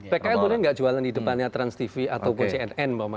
pkl itu tidak jualan di depannya transtv atau gocnn